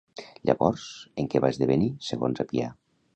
Llavors, en què va esdevenir, segons Apià?